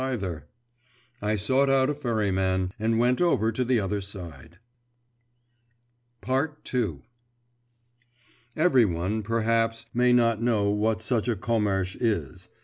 either.' I sought out a ferryman, and went over to the other side. II Every one, perhaps, may not know what such a commersh is.